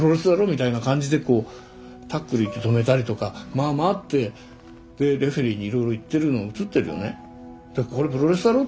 みたいな感じでこうタックルいって止めたりとかまあまあってでレフェリーにいろいろ言ってるの映ってるよね。